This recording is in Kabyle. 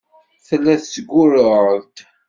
Tella tettgurruɛ-d.